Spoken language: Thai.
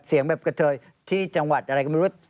เสียงแบบกระเทยที่จังหวัดอะไรก็ไม่รู้